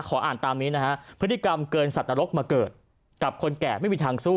ขออ่านตามนี้นะฮะพฤติกรรมเกินสัตนรกมาเกิดกับคนแก่ไม่มีทางสู้